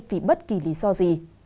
vì bất kỳ lý do gì